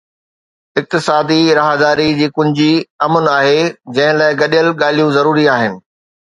اقتصادي راهداري جي ڪنجي امن آهي، جنهن لاءِ گڏيل ڳالهيون ضروري آهن